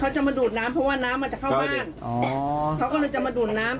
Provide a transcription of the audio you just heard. จะมาดูดน้ำเพราะว่าน้ำมันจะเข้าบ้านอ๋อเขาก็เลยจะมาดูดน้ำ